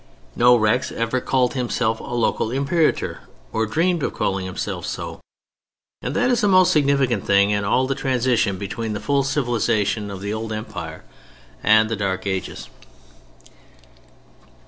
No Rex ever called himself a local Imperator or dreamed of calling himself so; and that is the most significant thing in all the transition between the full civilization of the old Empire and the Dark Ages.